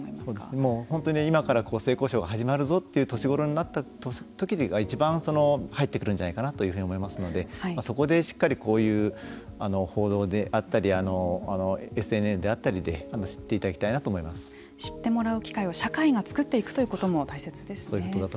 もう本当に今から性交渉が始まるぞとなったときがいちばん入ってくるんじゃないかなというふうに思いますのでそこでしっかりこういう報道であったりＳＮＳであったりで知ってもらう機会を社会が作っていくということも大切ですね。